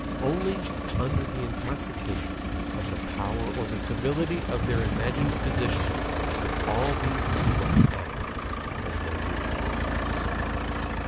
Only under the intoxication of the power or the servility of their imagined positions could all these people act as they do.